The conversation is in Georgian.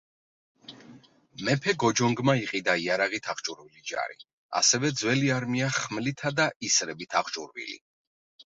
მეფე გოჯონგმა იყიდა იარაღით აღჭურვილი ჯარი, ასევე ძველი არმია ხმლითა და ისრებით აღჭურვილი.